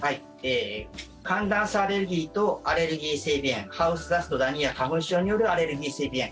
寒暖差アレルギーとアレルギー性鼻炎ハウスダスト、ダニや花粉症によるアレルギー性鼻炎